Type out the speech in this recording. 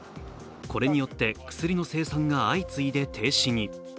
これによって薬の生産が相次いで停止に。